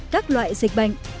các loại dịch bệnh